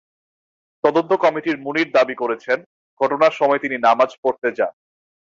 তদন্ত কমিটির কাছে মুনির দাবি করেছেন, ঘটনার সময় তিনি নামাজ পড়তে যান।